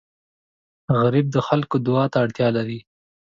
غریب د خلکو دعا ته اړتیا لري